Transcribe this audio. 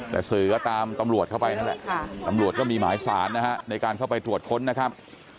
แต่สื่อก็ตามตำรวจเข้าไปนั่นแหละตำรวจก็มีหมายสารนะฮะในการเข้าไปตรวจค้นนะครับ